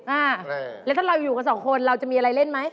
อ่าใช่แล้วถ้าเราอยู่กันสองคนเราจะมีอะไรเล่นไหม